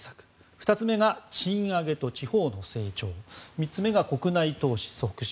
２つ目が賃上げと地方の成長３つ目が国内投資促進